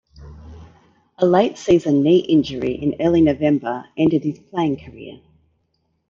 A late season knee injury in early November ended his playing career.